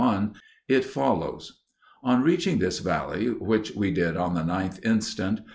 It follows: On reaching this valley, which we did on the 9th inst.